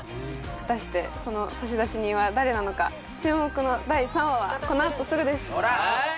果たしてその差出人は誰なのか注目の第３話はこのあとすぐです